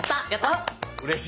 うれしい。